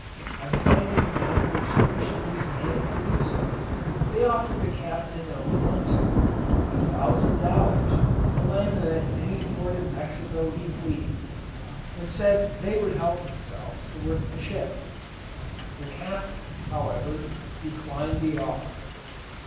On finding none were sufficiently manned to do so, they offered the captain of one schooner a thousand dollars to land them at any port in Mexico he pleased, and said they would themselves help to work the ship. The captain, however, declined the offer.